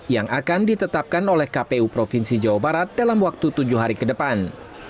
yang akan ditetapkan oleh kpu provinsi jawa barat dalam waktu tujuh hari ke depan